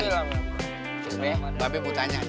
be mbak be mau tanya aja